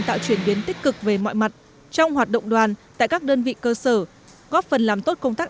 tạo chuyển biến tích cực về mọi mặt trong hoạt động đoàn tại các đơn vị cơ sở góp phần làm tốt công tác